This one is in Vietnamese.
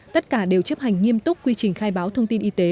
tất cả đều chấp hành nghiêm túc quy trình khai báo thông tin y tế